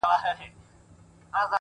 اوس لا د گرانښت څو ټكي پـاتــه دي،